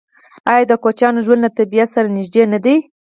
آیا د کوچیانو ژوند له طبیعت سره نږدې نه دی؟